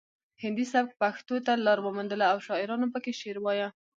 هندي سبک پښتو ته لار وموندله او شاعرانو پکې شعر وایه